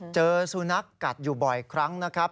เจอสุนัขกัดอยู่บ่อยครั้งนะครับ